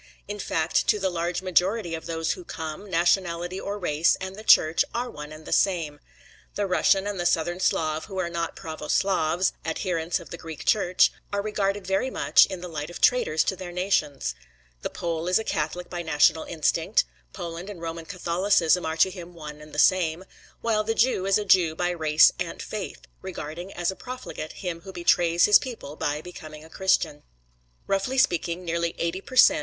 In fact to the large majority of those who come, nationality or race, and the Church, are one and the same. The Russian and the Southern Slav who are not pravo Slavs, adherents of the Greek Church, are regarded very much in the light of traitors to their nations. The Pole is a Catholic by national instinct; Poland and Roman Catholicism are to him one and the same; while the Jew is a Jew by race and faith, regarding as a profligate, him who betrays his people by becoming a Christian. Roughly speaking, nearly eighty per cent.